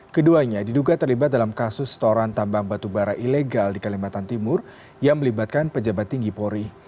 keduanya diduga terlibat dalam kasus setoran tambang batubara ilegal di kalimantan timur yang melibatkan pejabat tinggi polri